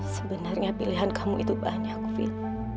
sebenarnya pilihan kamu itu banyak fit